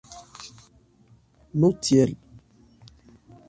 Nu tiel.